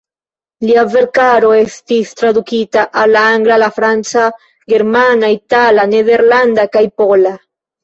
Lia verkaro estis tradukita al la angla, franca, germana, itala, nederlanda kaj pola.